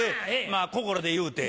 まぁ心で言うて。